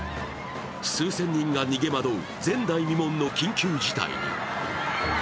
数千人が逃げまどう前代未聞の緊急事態に。